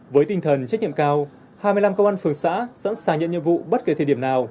với tinh thần trách nhiệm cao hai mươi năm công an phường xã sẵn sàng nhận nhiệm vụ bất kể thời điểm nào